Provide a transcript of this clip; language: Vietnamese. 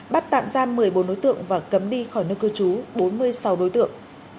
bắt tạm giam một mươi bốn đối tượng và cấm đi khỏi nơi cư trú bốn mươi sáu đối tượng